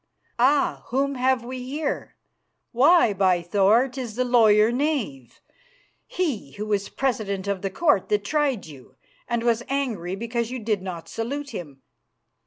Ah! whom have we here? Why, by Thor! 'tis the lawyer knave, he who was president of the court that tried you, and was angry because you did not salute him.